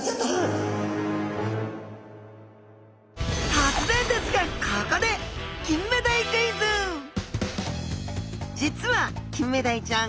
突然ですがここで実はキンメダイちゃん